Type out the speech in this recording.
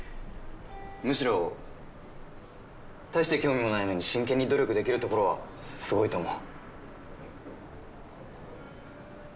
むしろ大して興味もないのに真剣に努力できるところはすごいと思う。